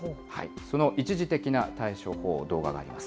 その一時的な対処法、動画があります。